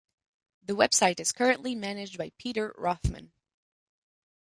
The website is currently managed by Peter Rothman.